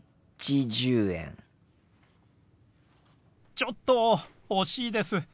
ちょっと惜しいです。